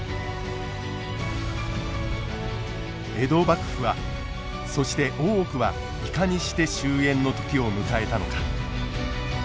江戸幕府はそして大奥はいかにして終えんの時を迎えたのか。